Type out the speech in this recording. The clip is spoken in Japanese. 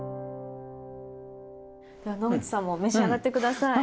では野口さんも召し上がって下さい。